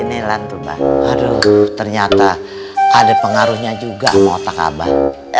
nelan tuh bah aduh ternyata ada pengaruhnya juga mau takabah